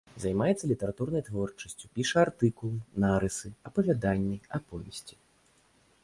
Займаецца літаратурнай творчасцю, піша артыкулы, нарысы, апавяданні, аповесці.